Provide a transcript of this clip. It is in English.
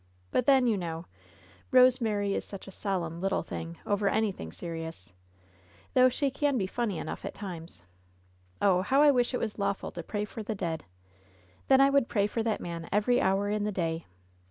But, then, you know, Rosemary is such a solemn little thing over anything serious — ^though she can be funny enough at times. Oh, how I wish it was lawful to pray for the dead I Then I would pray for that man every hour in the day.